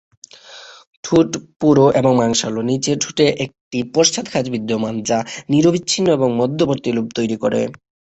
ঠোঁট পুরু ও মাংসল, নিচের ঠোঁটে একটি পশ্চাৎ খাঁজ বিদ্যমান যা নিরবচ্ছিন্ন এবং মধ্যবর্তী লোব তৈরি করে।